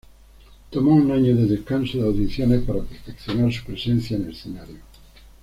Tomó un año de descanso de audiciones para perfeccionar su presencia en escenario.